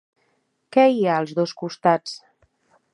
Què hi ha als dos costats?